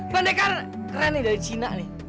pendekar keren nih dari cina nih